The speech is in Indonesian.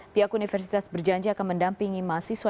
pihak universitas berjanji akan mendampingi mahasiswa